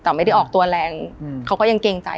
แต่ไม่ได้ออกตัวแรงเขาก็ยังเกรงใจ